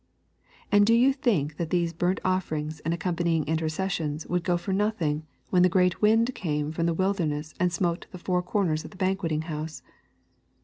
And do you think that those burnt offerings and accompanying intercessions would go for nothing when the great wind came from the wilderness and smote the four corners of the banqueting house?